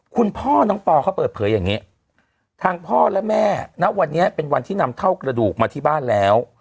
คุณพ่อน้องปอเขาเปิดเผยอย่างนี้ทางพ่อและแม่ณวันนี้เป็นวันที่นำเท่ากระดูกมาที่บ้านแล้ว